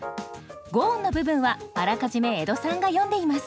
五音の部分はあらかじめ江戸さんが詠んでいます。